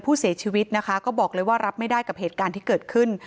ผู้เสียชีวิตนะคะก็บอกเลยว่ารับไม่ได้กับเหตุการณ์ที่เกิดขึ้น